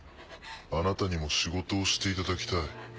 あなたにも仕事をしていただきたい。